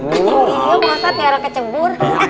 ya pak ustadz biar gak kecebur